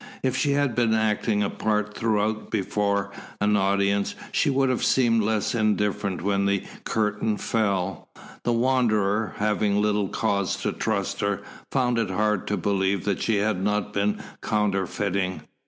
If she had been acting a part throughout before an audience, she would have seemed less indifferent when the curtain fell. The Wanderer, having little cause to trust her, found it hard to believe that she had not been counterfeiting.